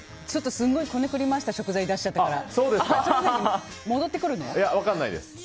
すごい、こねくり回した食材出しちゃったから。